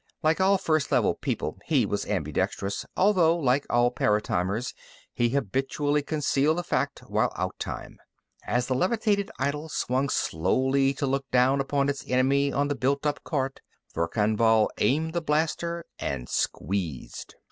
Like all First Level people, he was ambidextrous, although, like all paratimers, he habitually concealed the fact while outtime. As the levitated idol swung slowly to look down upon its enemy on the built up cart, Verkan Vall aimed the blaster and squeezed.